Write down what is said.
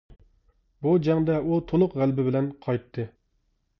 بۇ جەڭدە ئۇ تولۇق غەلىبە بىلەن قايتتى.